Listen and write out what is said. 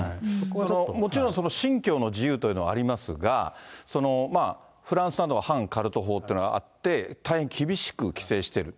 もちろん、信教の自由というのはありますが、そのフランスなどは反カルト法っていうのがあって、大変厳しく規制している。